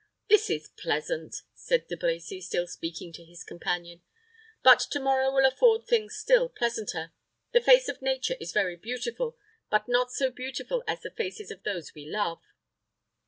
"This is pleasant," said De Brecy, still speaking to his companion; "but to morrow will afford things still pleasanter. The face of Nature is very beautiful, but not so beautiful as the faces of those we love."